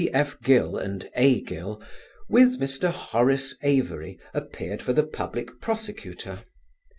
C.F. Gill and A. Gill with Mr. Horace Avory appeared for the Public Prosecutor.